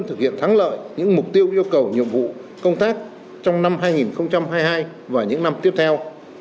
thực hiện thắng lợi những mục tiêu yêu cầu nhiệm vụ công tác trong năm hai nghìn hai mươi hai và những năm tiếp theo